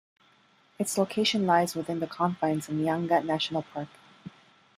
Its location lies within the confines of Nyanga National Park.